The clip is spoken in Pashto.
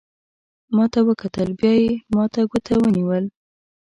ما ته وکتل، بیا یې ما ته ګوته ونیول.